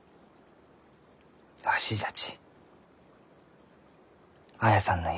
わしじゃち綾さんの夢